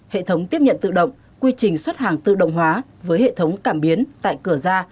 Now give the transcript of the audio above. hệ thống tiếp nhận tự động quy trình xuất hàng tự động hóa với hệ thống cảm biến tại cửa ra